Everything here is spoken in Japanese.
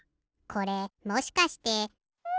これもしかして。